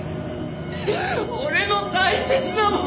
俺の大切なものを。